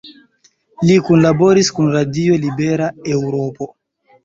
Li kunlaboris kun Radio Libera Eŭropo.